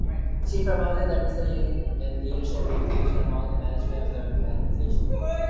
She promoted diversity and leadership inclusion among the management of the organization.